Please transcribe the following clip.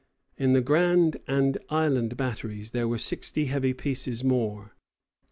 ] In the Grand and Island batteries there were sixty heavy pieces more.